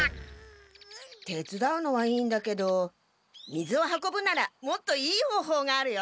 てつだうのはいいんだけど水を運ぶならもっといいほうほうがあるよ。